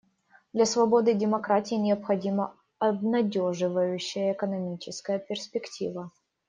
Для свободы и демократии необходима обнадеживающая экономическая перспектива.